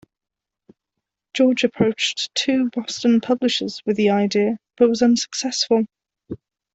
George approached two Boston publishers with the idea, but was unsuccessful.